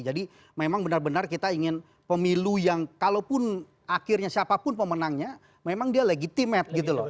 jadi memang benar benar kita ingin pemilu yang kalaupun akhirnya siapapun pemenangnya memang dia legitimet gitu loh